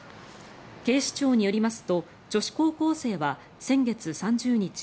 警視庁によりますと女子高校生は先月３０日